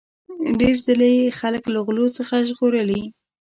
ډیر ځله یې خلک له غلو څخه ژغورلي.